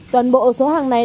toàn bộ số hàng này